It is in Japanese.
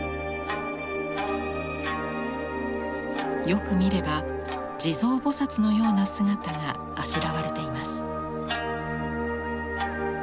よく見れば地蔵菩のような姿があしらわれています。